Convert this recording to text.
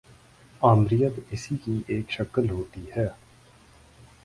آمریت اسی کی ایک شکل ہوتی ہے۔